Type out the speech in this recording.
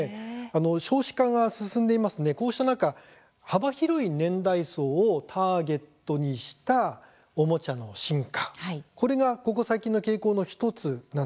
少子化が進んでいますのでこうした中、幅広い年代層をターゲットにしたおもちゃの進化、これがここ最近の傾向の１つなんです。